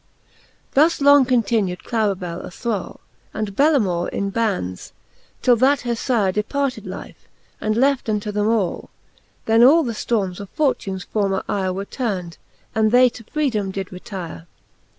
X. Thus long continu*d Clarihell a thrall. And Bellamour in bands, till that her fyre Departed life, and left unto them all. Then all the ftormes of fortunes former yre Were turnd, and they to freedome did retyre.